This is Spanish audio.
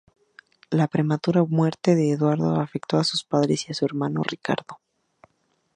La prematura muerte de Eduardo afectó a sus padres y a su hermano Ricardo.